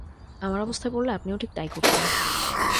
আমার অবস্থায় পড়লে আপনিও ঠিক তাই করতেন।